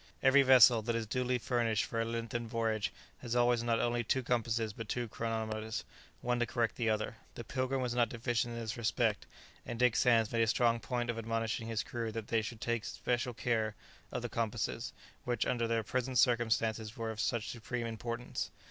Every vessel that is duly furnished for a lengthened voyage has always not only two compasses but two chronometers, one to correct the other. The "Pilgrim" was not deficient in this respect, and Dick Sands made a strong point of admonishing his crew that they should take especial care of the compasses, which under their present circumstances were of such supreme importance.